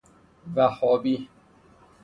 وهابی